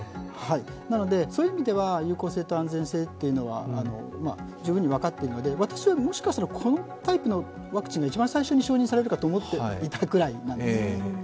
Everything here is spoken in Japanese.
なのでそういう意味では有効性と安全性は十分に分かっているので、私はもしかすると、このタイプのワクチンが一番最初に承認されると思っていたくらいなんです。